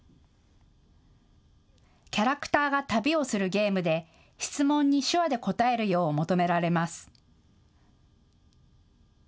キャラクターが旅をするゲームで質問に手話で答えるよう求められます。